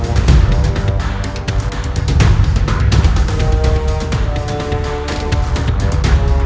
delapan adek rd roadmap menkyahkan